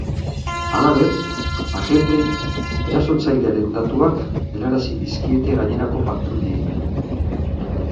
Halaber, agenteek erasotzailearen datuak helarazi dizkiete gainerako patruilei.